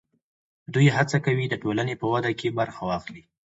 دوی هڅه کوي د ټولنې په وده کې برخه واخلي.